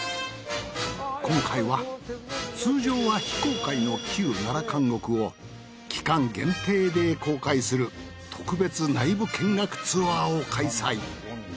今回は通常は非公開の旧奈良監獄を期間限定で公開する特別内部見学ツアーを開催。